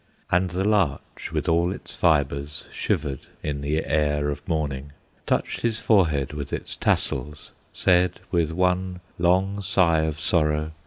And the Larch, with all its fibres, Shivered in the air of morning, Touched his forehead with its tassels, Slid, with one long sigh of sorrow.